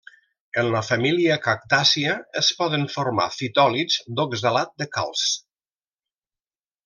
En la família cactàcia es poden formar fitòlits d'oxalat de calç.